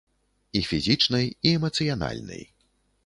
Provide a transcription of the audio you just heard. І фізічнай, і эмацыянальнай.